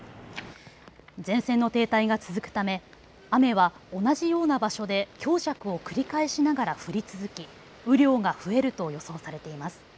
前線の停滞が続くため雨は同じような場所で強弱を繰り返しながら降り続き雨量が増えると予想されています。